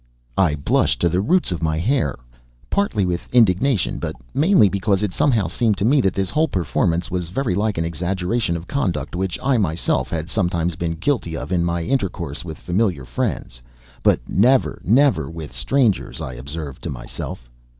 I blushed to the roots of my hair; partly with indignation, but mainly because it somehow seemed to me that this whole performance was very like an exaggeration of conduct which I myself had sometimes been guilty of in my intercourse with familiar friends but never, never with strangers, I observed to myself.